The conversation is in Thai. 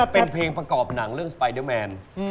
เป็นเพลงประกอบหนังเรื่องสไปเดอร์แมน